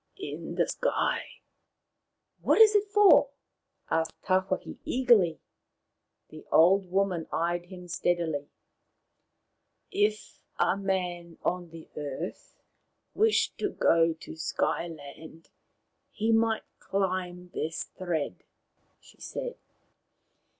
In the sky.'' What is it for ?" asked Tawhaki eagerly. The old woman eyed him steadily. " If a man on the earth wished to go to Sky land he might climb this thread," she said.